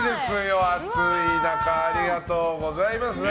暑い中ありがとうございますね。